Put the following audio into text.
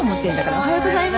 おはようございます。